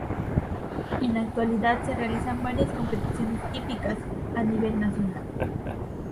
En la actualidad se realizan varias competiciones hípicas a nivel nacional.